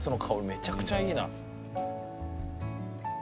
めちゃくちゃいいな。